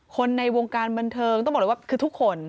ในวงการบันเทิงต้องบอกเลยว่าคือทุกคน